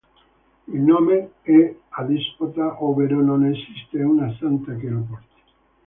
Il nome è adespota, ovvero non esiste una santa che lo porti.